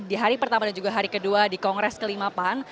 di hari pertama dan juga hari kedua di kongres kelima pan